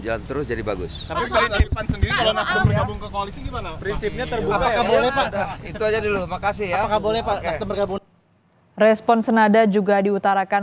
jalan terus jadi bagus itu aja dulu makasih ya boleh pak respon senada juga diutarakan